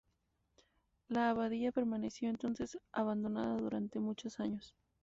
La abadía permaneció entonces abandonada durante muchos años.